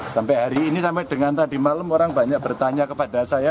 sampai hari ini sampai dengan tadi malam orang banyak bertanya kepada saya